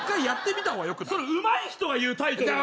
うまい人が言うタイトル。